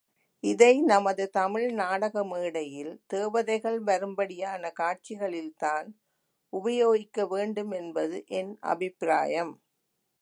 இதை நமது தமிழ் நாடக மேடையில் தேவதைகள் வரும்படியான காட்சிகளில்தான் உபயோகிக்க வேண்டுமென்பது என் அபிப்பிராயம்.